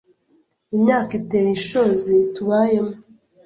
imyaka iteye ishozi tubayemo!